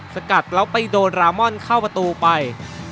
สกัดแล้วไปโดนรามอนเข้าประตูไป